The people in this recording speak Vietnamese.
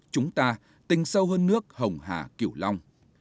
chúng ta tình sâu hơn nước hồng hà kiểu long